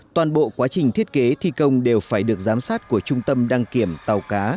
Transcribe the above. toàn bộ quá trình thiết kế thi công đều phải được giám sát của trung tâm đăng kiểm tàu cá